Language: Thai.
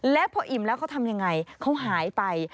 และพออิ่มแล้วเขาทำยังไงเขาหายไป